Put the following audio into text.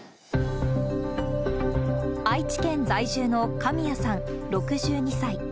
愛知県在住の神谷さん６２歳。